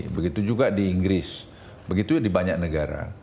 begitu juga di inggris begitu di banyak negara